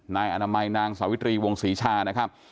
นายอนามัยนางสาวิตรีวงศรีชานะครับ